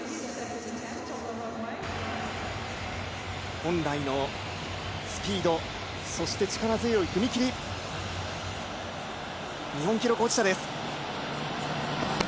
本来のスピードそして力強い踏み切り、日本記録保持者です。